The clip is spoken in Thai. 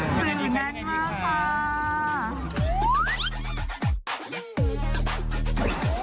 สื่อแม่งมากค่ะ